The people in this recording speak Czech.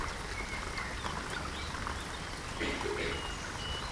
Sochy byly nalezeny na městské pile v Chebu a převedeny do Městského muzea.